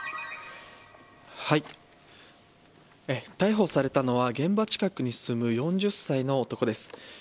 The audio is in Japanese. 逮捕されたのは現場近くに住む４０歳の男です。